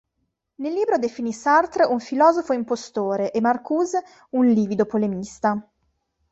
Nel libro definì Sartre un "filosofo impostore" e Marcuse un "livido polemista".